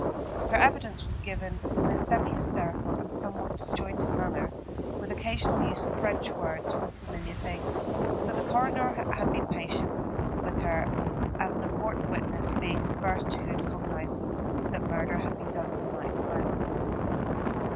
Her evidence was given in a semi hysterical and somewhat disjointed manner, with occasional use of French words for familiar things; but the coroner had been patient with her as an important witness, being the first who had cognisance that murder had been done in the night silence.